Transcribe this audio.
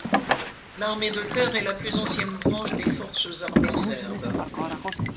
L'Armée de Terre est la plus ancienne branche des forces armées serbes.